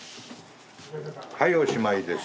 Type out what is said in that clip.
はいおしまいです。